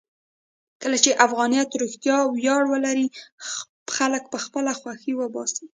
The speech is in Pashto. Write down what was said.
کله چې افغانیت رښتیا ویاړ ولري، خلک به خپله خوښۍ وباسي.